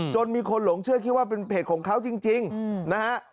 มีคนหลงเชื่อคิดว่าเป็นเพจของเขาจริงนะฮะ